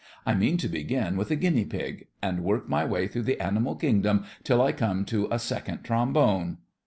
I mean to begin with a guinea pig, and work my way through the animal kingdom till I come to a Second Trombone.